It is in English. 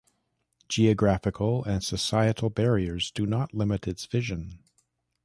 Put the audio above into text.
Geographical and societal barriers do not limit its vision.